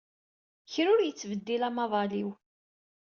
Kra ur yettbeddil amaḍal-iw.